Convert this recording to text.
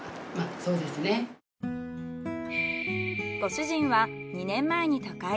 ご主人は２年前に他界。